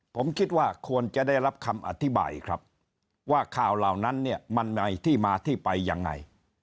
ผมคิดว่าควรจะได้รับคำอธิบายครับว่าข่าวเหล่านั้นเนี่ยมันมีที่มาที่ไปยังไง